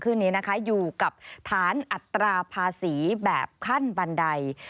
ขึ้นนี้นะคะอยู่กับฐานอัตราภาษีแบบขั้นบันได